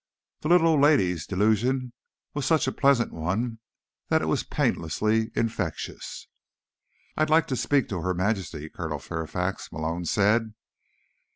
The little old lady's delusion was such a pleasant one that it was painlessly infectious. "I'd like to speak to Her Majesty, Colonel Fairfax," Malone said.